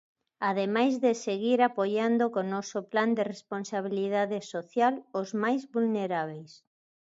Ademais de seguir apoiando co noso plan de responsabilidade social os máis vulnerábeis.